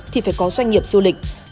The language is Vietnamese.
thì phải có doanh nghiệp du lịch